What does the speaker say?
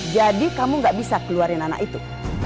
jadi kamu gak bisa keluarin anak itu